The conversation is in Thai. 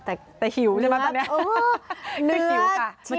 แต่หิวใช่ไหมตอนนี้